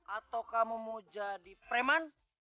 atau kamu mau jadi preman